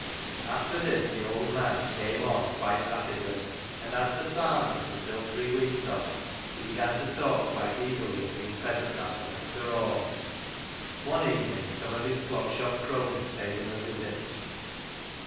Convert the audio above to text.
After this the old man " came on " quite rapidly, and as the " Sarmons " were still three weeks off, he began to talk quite eagerly of being present at them " efther aw." One evening some of his Clog Shop cronies paid him a visit.